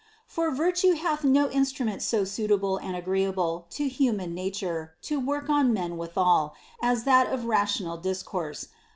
For virtue hath no instrument so suitable and agreeable to human nature to work on men withal, as that of rational discourse.